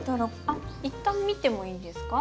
あっ一旦見てもいいですか？